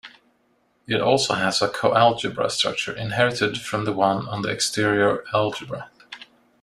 It also has a coalgebra structure inherited from the one on the exterior algebra.